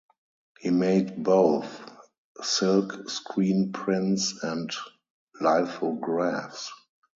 He made both silk screen prints and lithographs.